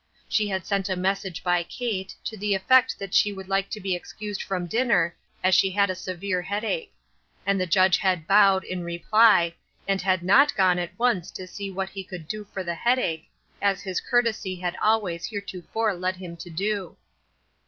She had sent a message by Kate, to the effect that she would like to be excused from din ner, as she had a severe headache ; and the Judge had bowed, in reply, and had not gone at once to see what he could do for the headache, as his courtesy had always heretofore led him to do.